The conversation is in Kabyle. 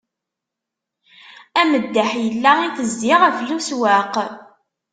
Ameddaḥ yella itezzi ɣef leswaq.